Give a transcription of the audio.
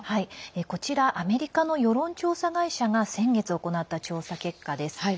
こちらアメリカの世論調査会社が先月行った調査結果です。